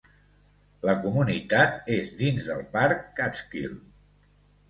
La comunitat és dins del parc Catskill.